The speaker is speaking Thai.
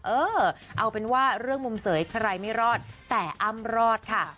เออเอาเป็นว่าเรื่องมุมเสยใครไม่รอดแต่อ้ำรอดค่ะ